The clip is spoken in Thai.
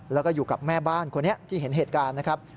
แล้วก็อยู่กับแม่บ้านคนนี้ที่เห็นเหตุการณ์นะครับ